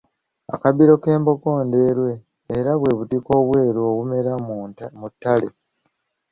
Akabbiro k'abembogo Ndeerwe era bwebutiko obweru obumera mu ttale.